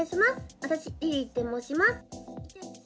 私、りりって申します。